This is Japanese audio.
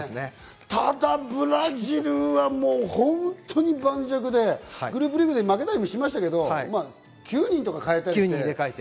ただブラジルは本当に盤石で、グループリーグで負けたりしましたけど、９人とか代えたりね。